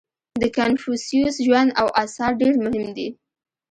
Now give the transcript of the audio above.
• د کنفوسیوس ژوند او آثار ډېر مهم دي.